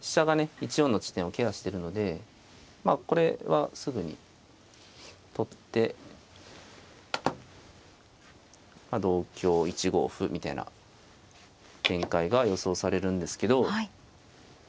１四の地点をケアしてるのでまあこれはすぐに取って同香１五歩みたいな展開が予想されるんですけど。